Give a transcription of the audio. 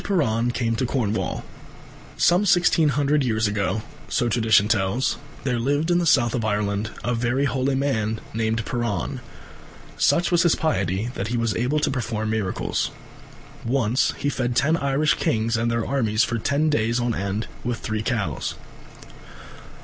PIRAN CAME TO CORNWALL Some sixteen hundred years ago, so tradition tells, there lived in the South of Ireland a very holy man named Piran. Such was his piety that he was able to perform miracles. Once he fed ten Irish kings and their armies for ten days on end with three cows.